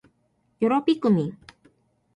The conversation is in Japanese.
よろぴくみん